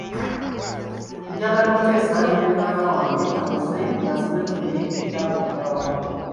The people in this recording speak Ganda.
Njagala kuteesa ne muliraanwa wange anguze ngaziwe nfune ekyapa ekyawamu.